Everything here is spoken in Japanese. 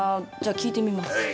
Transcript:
じゃあ聞いてみます。